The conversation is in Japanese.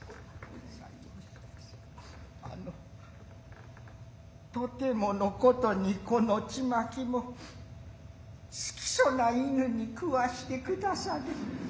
あのとてものことにこの粽も好きそな犬に喰わして下され。